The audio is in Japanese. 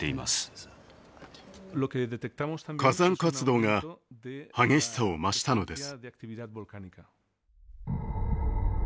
火山活動が激しさを増したのです。